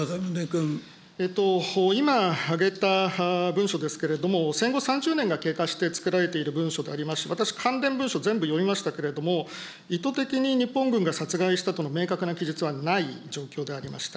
今挙げた文書ですけれども、戦後３０年が経過して作られている文書であります、私、関連文書、全部読みましたけれども、意図的に日本軍が殺害したとの明確な記述はない状況でありました。